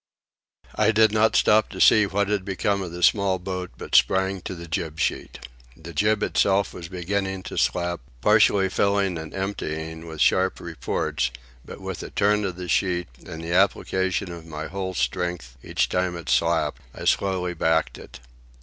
I did not stop to see what had become of the small boat, but sprang to the jib sheet. The jib itself was beginning to slap, partially filling and emptying with sharp reports; but with a turn of the sheet and the application of my whole strength each time it slapped, I slowly backed it.